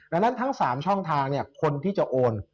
ดังนั้นทั้ง๓ช่องทางคนที่จะโอน